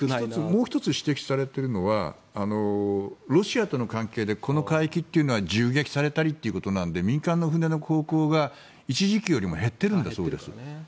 もう１つ指摘されているのはロシアとの関係でこの海域というのは銃撃されたりということなので民間の船の航行が、一時期よりも減っているそうです。